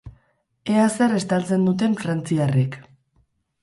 Ea zer estaltzen duten frantziarrek.